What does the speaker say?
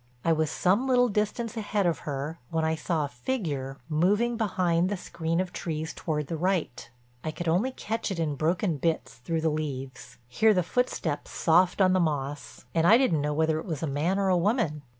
I was some little distance ahead of her when I saw a figure moving behind the screen of trees toward the right. I could only catch it in broken bits through the leaves, hear the footsteps soft on the moss, and I didn't know whether it was a man or a woman.